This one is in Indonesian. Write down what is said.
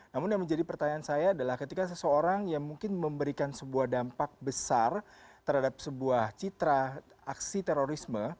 namun yang menjadi pertanyaan saya adalah ketika seseorang yang mungkin memberikan sebuah dampak besar terhadap sebuah citra aksi terorisme